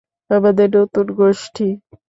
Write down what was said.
আমাদের নতুন গোষ্ঠী।